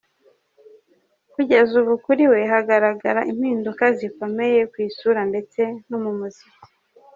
Kugeza ubu kuri we hagaragara impinduka zikomeye, ku isura ndetse no mu muziki.